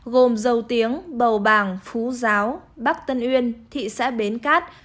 gồm dầu tiếng bầu bàng phú giáo bắc tân uyên thị xã bến cát